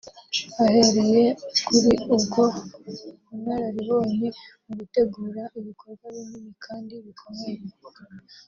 Ahereye kuri ubwo bunararibonye mu gutegura ibikorwa binini kandi bikomeye